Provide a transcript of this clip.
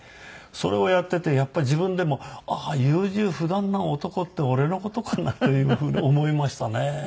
それをやっていてやっぱり自分でもああ優柔不断な男って俺の事かなっていうふうに思いましたね。